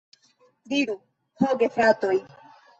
Diru, ho gefratoj!